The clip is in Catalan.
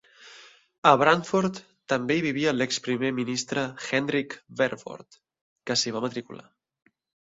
A Brandfort també hi vivia l'exprimer ministre Hendrik Verwoerd, que s'hi va matricular.